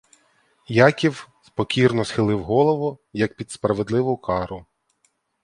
Яків покірно схилив голову, як під справедливу кару.